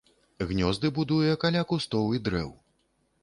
Гнёзды будуе каля кустоў і дрэў.